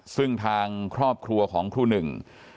ซึ่งทางครอบครัวของครูหนึ่ง